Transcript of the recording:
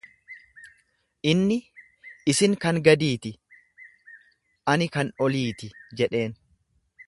Inni, Isin kan gadii ti, ani kan olii ti jedheen.